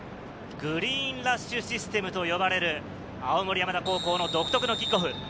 グリーンラッシュシステムと呼ばれる青森山田高校の独特のキックオフ。